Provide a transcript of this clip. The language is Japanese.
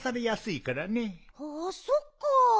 ああそっか。